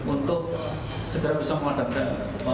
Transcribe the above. untuk segera bisa memadamkan